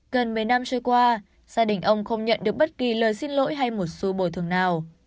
gần một mươi năm trôi qua gia đình ông không nhận được bất kỳ lời xin lỗi hay một số bồi thường nào